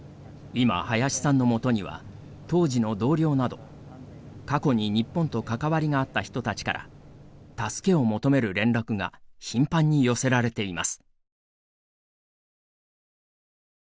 今、林さんの元には当時の同僚など、過去に日本と関わりがあった人たちから助けを求める連絡が頻繁に寄せられています。